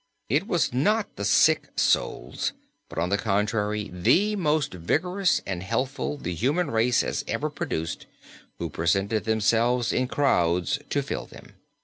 It was not the sick souls, but on the contrary the most vigorous and healthful the human race has ever produced who presented themselves in crowds to fill them."